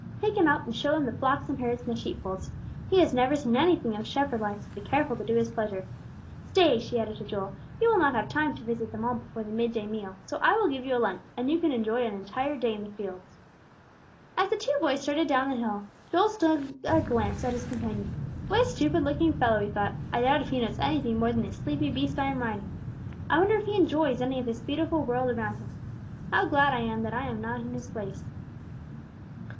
Take him out and show him the flocks and herds, and the sheep folds. He has never seen anything of shepherd life, so be careful to do his pleasure. Stay!" she added to Joel. "You will not have time to visit them all before the mid day meal, so I will give you a lunch, and you can enjoy an entire day in the fields." As the two boys started down the hill, Joel stole a glance at his companion. "What a stupid looking fellow!" he thought; "I doubt if he knows anything more than this sleepy beast I am riding. I wonder if he enjoys any of this beautiful world around him. How glad I am that I am not in his place."